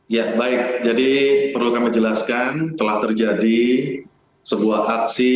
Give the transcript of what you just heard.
ya baik jadi perlu kami jelaskan telah terjadi sebuah aksi